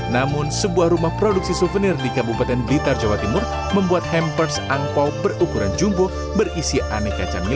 lampion ini menyebabkan penyakit